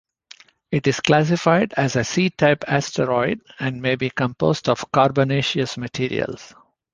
It is classified as a C-type asteroid and may be composed of carbonaceous materials.